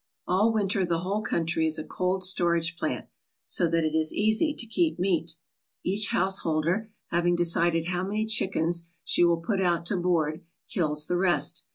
All winter the whole country is a cold storage plant, so that it is easy to keep meat. Each householder, having decided how many chickens she will put out to board, kills the rest.